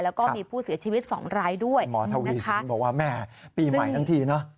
แล้วก็มีผู้เสียชีวิตสองรายด้วยหมอทวีสินบอกว่าแม่ปีใหม่ทั้งทีเนอะ